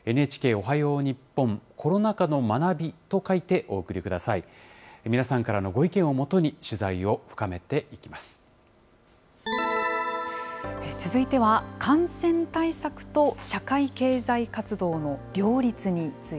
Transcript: おはよう日本コロナ禍の学びと書いてお送りください。